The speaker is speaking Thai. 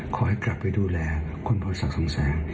ขอให้กลับไปดูแลคุณพรศักดิ์สองแสง